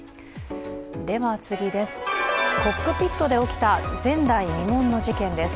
コックピットで起きた前代未聞の事件です。